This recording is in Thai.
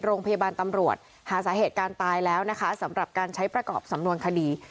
โรงพยาบาลตำรวจหาสาเหตุการณ์ตายแล้วนะคะสำหรับการใช้ประกอบสำนวนคดี